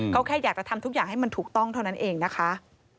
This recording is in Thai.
เขาแค่อยากจะทำทุกอย่างให้มันถูกต้องเท่านั้นเองนะคะ